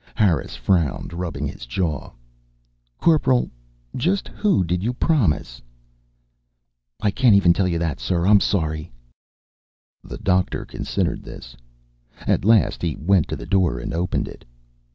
Harris frowned, rubbing his jaw. "Corporal, just who did you promise?" "I can't even tell you that, sir. I'm sorry." The Doctor considered this. At last he went to the door and opened it.